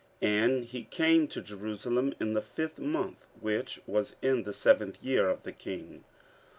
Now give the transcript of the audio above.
15:007:008 And he came to Jerusalem in the fifth month, which was in the seventh year of the king.